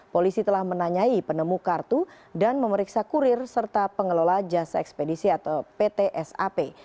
polisi telah menanyai penemu kartu dan memeriksa kurir serta pengelola jasa ekspedisi atau pt sap